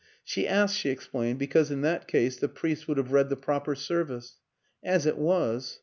She asked, she explained, because in that case the priest would have read the proper service. As it was